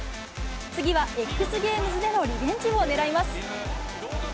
次はＸＧａｍｅｓでのリベンジをねらいます。